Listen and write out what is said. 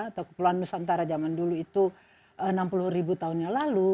atau kepulauan nusantara zaman dulu itu enam puluh ribu tahun yang lalu